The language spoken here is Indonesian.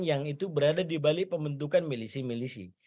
yang itu berada di balik pembentukan milisi milisi